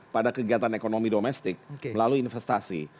pada kegiatan ekonomi domestik melalui investasi